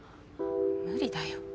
無理だよ。